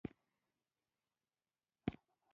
شخصي واټن د کورنۍ او ملګرو ترمنځ وي.